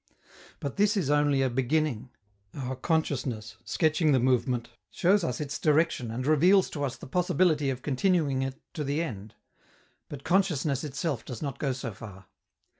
But this is only a beginning. Our consciousness, sketching the movement, shows us its direction and reveals to us the possibility of continuing it to the end; but consciousness itself does not go so far.